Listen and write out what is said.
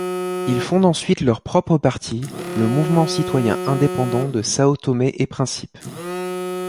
Ils fondent ensuite leur propre parti, le Mouvement citoyen indépendant de Sao Tomé-et-Principe.